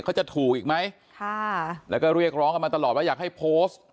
เขาจะถูกอีกไหมค่ะแล้วก็เรียกร้องกันมาตลอดว่าอยากให้โพสต์